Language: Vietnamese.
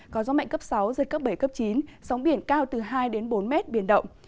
có gió mạnh cấp sáu giật cấp bảy cấp chín sóng biển cao từ hai bốn m biển động